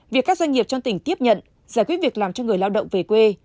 việc các doanh nghiệp trong tỉnh tiếp nhận giải quyết việc làm cho người lao động về quê